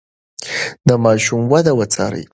د ماشوم وده وڅارئ.